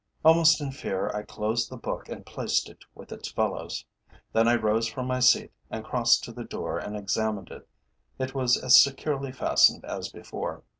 Almost in fear I closed the book and placed it with its fellows. Then I rose from my seat, and crossed to the door and examined it. It was as securely fastened as before.